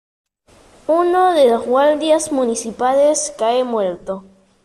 Uno de los guardias municipales cae muerto.